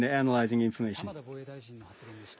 浜田防衛大臣の発言でした。